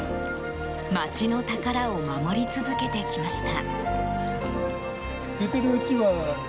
街の宝を守り続けてきました。